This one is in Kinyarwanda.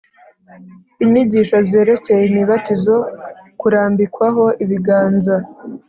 inyigisho zerekeye imibatizo. kurambikwaho ibiganza